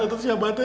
itu si abah tuh